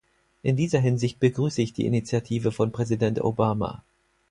In dieser Hinsicht begrüße ich die Initiative von Präsident Obama.